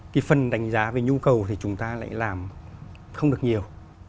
cái phần đánh giá về nhu cầu thì chúng ta lại làm không được nhiều